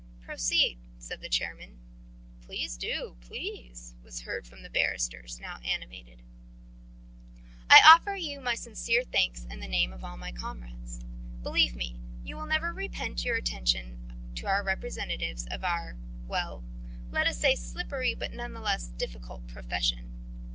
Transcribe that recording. "Proceed," said the chairman. "Please do ... Please ..." was heard from the barristers, now animated. "I offer you my sincere thanks in the name of all my comrades. Believe me, you will never repent your attention to the representatives of our ... well, let us say, slippery, but nevertheless difficult, profession.